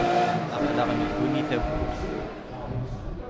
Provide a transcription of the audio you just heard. Aql-aɣ negguni tawwurt.